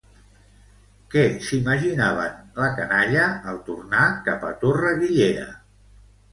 Què s'imaginaven, la canalla, al tornar cap a Torre-guillera?